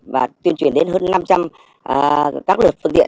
và tuyên truyền đến hơn năm trăm linh các lượt phương tiện